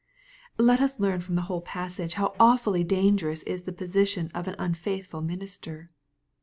Let us learn from the whole passage how awfully dangerous is the position of an unfaithful minister.